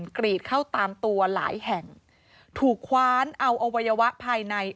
กรีดเข้าตามตัวหลายแห่งถูกคว้านเอาอวัยวะภายใน